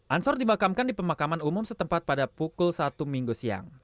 ansor dimakamkan di pemakaman umum setempat pada pukul satu minggu siang